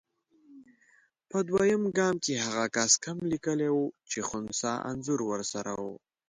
په دویم ګام کې هغه کس کم لیکلي وو چې خنثی انځور ورسره وو.